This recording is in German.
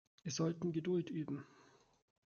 Wir sollten Geduld üben.